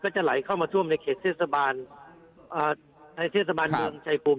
จะไหลเข้ามาท่วมในเขตเทศบาลในเทศบาลเมืองชายภูมิ